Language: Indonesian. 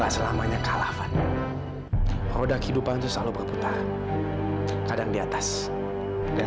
sekarang papa bilang duluan ya